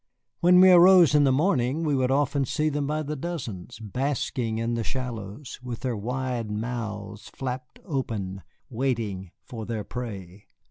When we arose in the morning we would often see them by the dozens, basking in the shallows, with their wide mouths flapped open waiting for their prey.